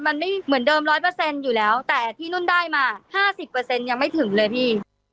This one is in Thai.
มันไม่เหมือนเดิมร้อยเปอร์เซ็นต์อยู่แล้วแต่ที่นุ่นได้มาห้าสิบเปอร์เซ็นต์ยังไม่ถึงเลยพี่